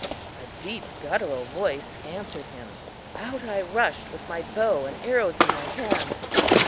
A deep guttural voice answered him. Out I rushed with my bow and arrows in my hand.